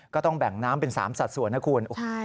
ก็ต้องแบ่งน้ำเป็น๓สัดส่วนนะคุณ